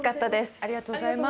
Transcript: ありがとうございます。